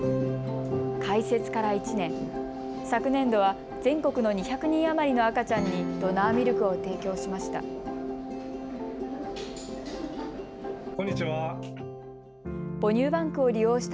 開設から１年、昨年度は全国の２００人余りの赤ちゃんにドナーミルクを提供しました。